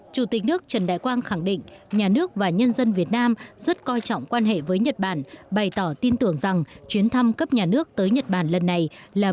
chủ tịch nước trần đại quang khẳng định nhà nước và nhân dân việt nam rất coi trọng quan hệ với nhật bản bày tỏ tin tưởng rằng chuyến thăm cấp nhà nước tới nhật bản lần này là